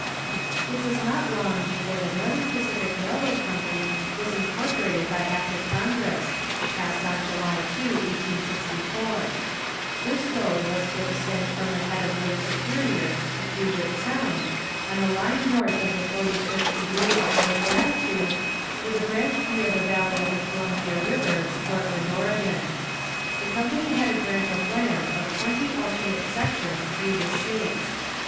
It was not long before the Northern Pacific Railroad Company was incorporated by act of congress, passed on July 2, 1864. This road was to extend from the head of Lake Superior to Puget Sound, on a line north of the forty fifth degree of north latitude, with a branch via the valley of the Columbia river to Portland, Ore. The company had a grant of land of twenty alternate sections through the states.